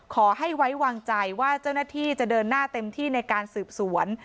ขอให้ไว้วางใจว่าเจ้าหน้าที่จะเดินหน้าเต็มที่ในการสืบสวน